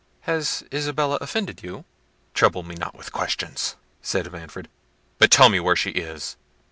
Has Isabella offended you?" "Trouble me not with questions," said Manfred, "but tell me where she is."